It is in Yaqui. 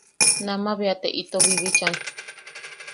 Nama bea te ito bibichan.